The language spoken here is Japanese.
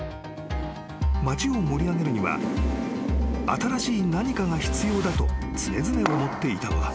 ［町を盛り上げるには新しい何かが必要だと常々思っていたのだ］